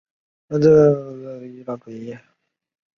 毕业于锦州医学院医疗专业。